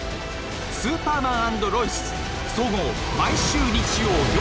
「スーパーマン＆ロイス」総合毎週日曜夜１１時。